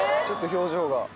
ちょっと表情が。